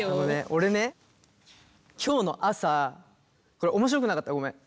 俺ね今日の朝これ面白くなかったらごめん。